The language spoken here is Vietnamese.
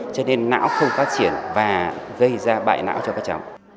cho nên não không phát triển và gây ra bại não cho các cháu